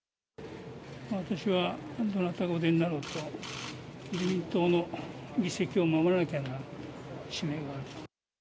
私はどなたがお出になろうと、自民党の議席を守らなければならない使命がある。